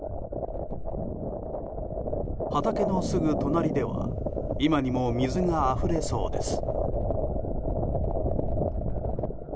畑のすぐ隣では今にも水があふれそうです。